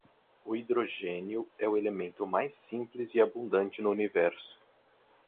O hidrogénio é o elemento mais simples e abundante no universo.